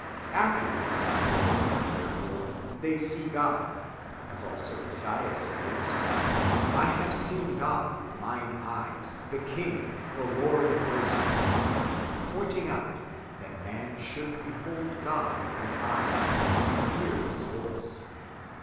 After this invisible manner, therefore, did they see God, as also Esaias says, " I have seen with mine eyes the King, the Lord of hosts," ^ pointing out that man should behold God with his eyes, and hear His voice.